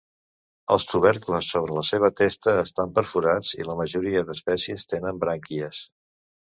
Els tubercles sobre la seva testa estan perforats i la majoria d'espècies tenen brànquies.